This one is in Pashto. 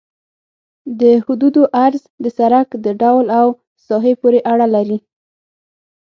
د حدودو عرض د سرک د ډول او ساحې پورې اړه لري